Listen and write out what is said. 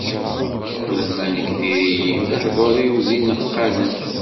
Ulamma nekk diri-yi, lehdur-iw d ineqqaden.